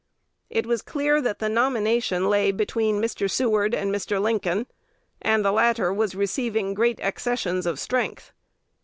It was clear that the nomination lay between Mr. Seward and Mr. Lincoln, and the latter was receiving great accessions of strength.